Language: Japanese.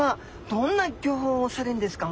どんな漁法をされるんですか？